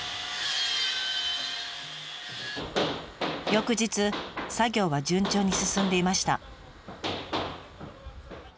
翌日作業は順調に進んでいました。